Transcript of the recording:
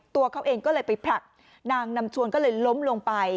ตัวเขาเองก็เลยไปผลักนางนำชวนก็เลยล้มลงไป